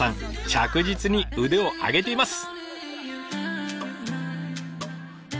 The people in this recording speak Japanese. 着実に腕を上げています！